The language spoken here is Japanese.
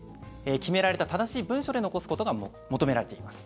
決められた正しい文書で残すことが求められています。